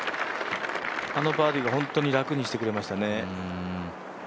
あのバーディーが本当に楽にしてくれましたね。